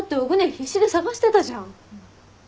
必死で捜してたじゃん。